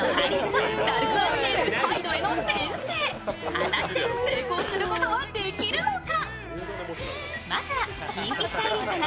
果たして、成功することはできるのか？